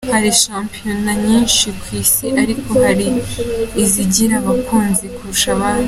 Hari shampiyona nyinshi ku isi ariko hari n’izigira abakunzi kurusha izindi.